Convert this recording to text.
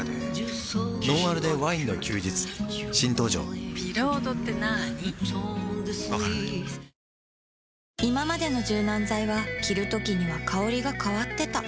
分からないいままでの柔軟剤は着るときには香りが変わってた